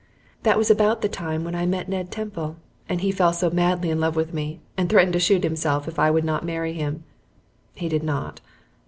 That was about the time when I met Ned Temple, and he fell so madly in love with me, and threatened to shoot himself if I would not marry him. He did not.